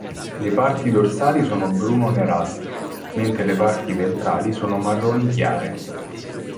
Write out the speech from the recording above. Le parti dorsali sono bruno-nerastre, mentre le parti ventrali sono marroni chiare.